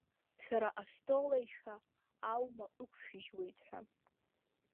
Шәара астол-еишәа аума ықәшәыжьуеит ҳәа.